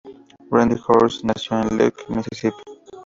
Randy Houser nació en Lake, Mississippi.